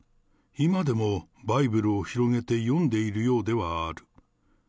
今でもバイブルを広げて読んでいるようではある。